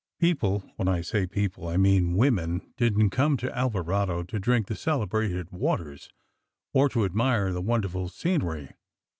People when I say people, I mean women didn t come to Alvarado to drink the celebrated waters, or to admire the wonderful scenery.